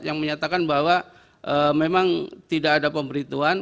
yang menyatakan bahwa memang tidak ada pemberitahuan